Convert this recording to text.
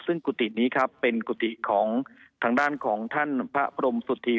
ซึ่งกุฏินี้ครับเป็นกุฏิของทางด้านของท่านพระพรมสุธี